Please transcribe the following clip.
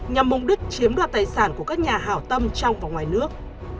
nhằm mục đích chiếm đoạt tài sản của các nhà hảo tâm trong và ngoài nước